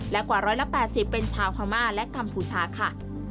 และกว่า๑๘๐เป็นชาวพม่าและกัมพูชาค่ะ